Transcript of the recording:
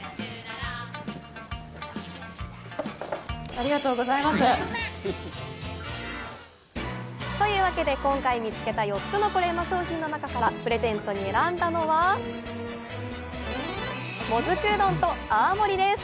あっというわけで、今回見つけた４つのコレうま商品の中からプレゼントに選んだのは、もずくうどんと泡盛です。